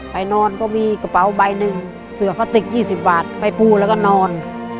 ไปนอนก็มีกระเป๋าใบหนึ่งเสือพลาสติก๒๐บาทไปปูแล้วก็นอน